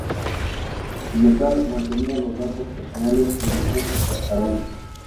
El Metal mantenía los datos personales en "Burbujas cascarón".